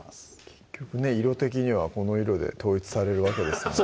結局ね色的にはこの色で統一されるわけですもんね